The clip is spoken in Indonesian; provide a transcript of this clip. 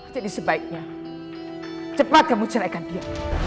jadi sebaiknya cepat kamu ceraikan dia